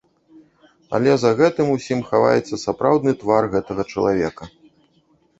Але за гэтым усім хаваецца сапраўдны твар гэтага чалавека.